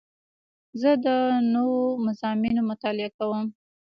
زه د نوو مضامینو مطالعه کوم.